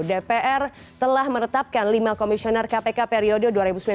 dpr telah menetapkan lima komisioner kpk periode dua ribu sembilan belas dua ribu dua puluh